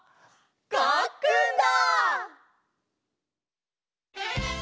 かっくんだ！